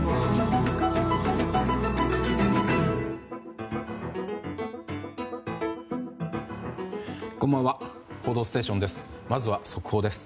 「報道ステーション」です。